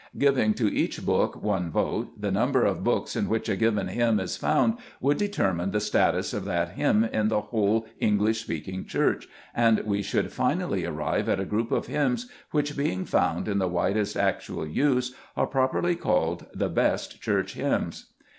Giving to each book one vote, the number of books in which a given hymn is found would determine the status of that hymn in the whole English speaking Church, and we should finally arrive at a group of hymns which, being found in the widest actual use. are properly called " the best Church hymns."